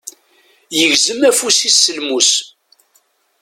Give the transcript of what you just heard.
Yegzem afus-is s lmus.